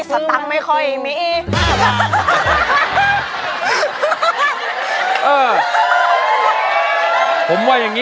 ร้องได้ให้ร้อง